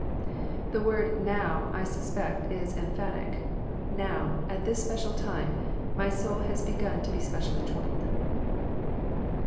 The word now," I suspect, is emphatic: "Now, at this special time, my soul has begun to be specially troubled."